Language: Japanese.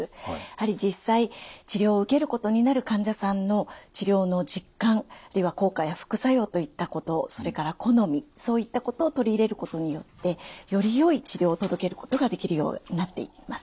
やはり実際治療を受けることになる患者さんの治療の実感あるいは効果や副作用といったことそれから好みそういったことを取り入れることによってよりよい治療を届けることができるようになっています。